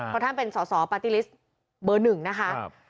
เพราะท่านเป็นสอสอปาร์ตี้ลิสต์เบอร์๑นะคะ